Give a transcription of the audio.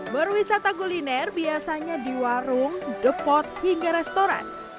berwisata kuliner biasanya di warung depot hingga restoran